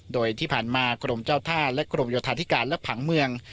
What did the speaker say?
โดยที่ผ่านมากรมเจ้าท่าและกรมโยธาธิการและผังเมือง